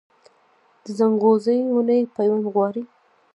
د ځنغوزي ونې پیوند غواړي؟